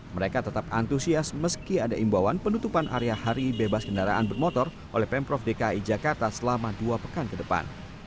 mereka tetap antusias meski ada imbauan penutupan area hari bebas kendaraan bermotor oleh pemprov dki jakarta selama dua pekan ke depan